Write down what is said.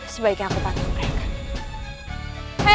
sebaiknya aku patuh mereka